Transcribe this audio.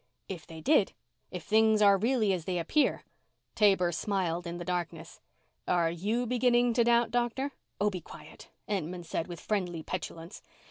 "If they did if things are really as they appear " Taber smiled in the darkness. "Are you beginning to doubt, Doctor?" "Oh, be quiet," Entman said with friendly petulance.